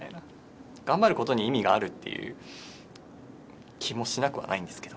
頑張ることに意味があるという気もしなくはないんですけど